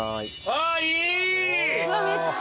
あっいい！